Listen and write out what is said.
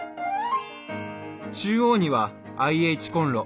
中央にはＩＨコンロ。